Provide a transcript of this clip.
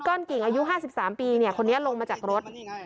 ้อนกิ่งอายุ๕๓ปีคนนี้ลงมาจากรถ